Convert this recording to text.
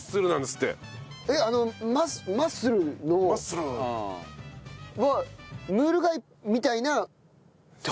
マッスル！は「ムール貝みたいな」って事？